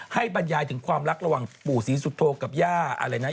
บรรยายถึงความรักระหว่างปู่ศรีสุโธกับย่าอะไรนะ